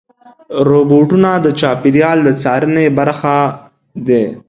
روبوټونه د چاپېریال د څارنې برخه دي.